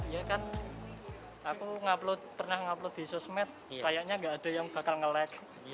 ya kan aku pernah nge upload di sosmed kayaknya gak ada yang bakal nge lag